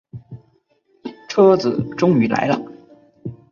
车子终于来了